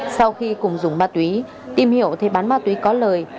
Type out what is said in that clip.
sau khi cùng dùng ma túy tìm hiểu thì bán ma túy có lời